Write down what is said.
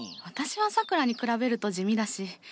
私はさくらに比べると地味だし。